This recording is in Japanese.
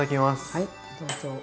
はいどうぞ。